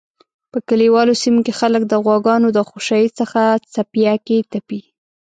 په کلیوالو سیمو کی خلک د غواګانو د خوشایی څخه څپیاکی تپی